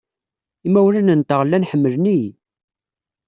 Imawlan-nteɣ llan ḥemmlen-iyi.